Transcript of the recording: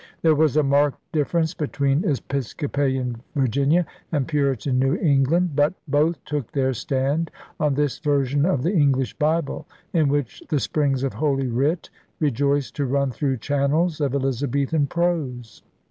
There was a marked difference between Episco palian Virginia and Puritan New England. But both took their stand on this version of the English Bible, in which the springs of Holy Writ rejoiced to run through channels of Elizabethan prose.